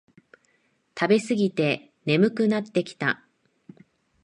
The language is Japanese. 食べすぎて眠くなってきた